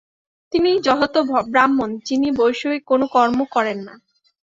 তিনিই যথার্থ ব্রাহ্মণ, যিনি বৈষয়িক কোন কর্ম করেন না।